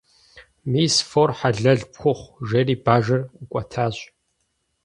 - Мис, фор хьэлэл пхухъу! - жери бажэр ӏукӏуэтащ.